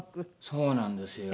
そうなんですよ。